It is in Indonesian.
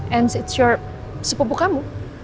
dan itu adalah sepupu kamu